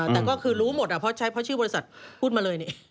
แต่ก็คือรู้หมดเพราะชื่อบริษัทพูดมาเลยนี่